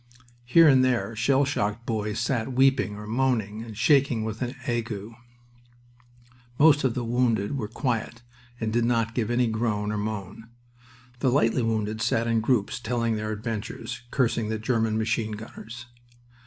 Here and there shell shocked boys sat weeping or moaning, and shaking with an ague. Most of the wounded were quiet and did not give any groan or moan. The lightly wounded sat in groups, telling their adventures, cursing the German machine gunners.